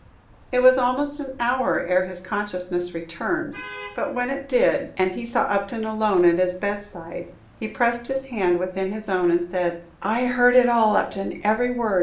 It was almost an hour ere his consciousness returned; but when it did, and he saw Upton alone at his bedside, he pressed his hand within his own, and said, "I heard it all, Upton, every word!